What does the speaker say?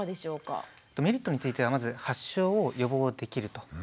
メリットについてはまず発症を予防できると。